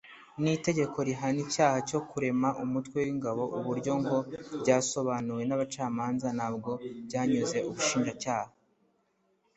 n’itegeko rihana icyaha cyo kurema umutwe w’ingabo uburyo ngo ryasobanuwe n’abacamanza ntabwo byanyuze Ubushinjacyaha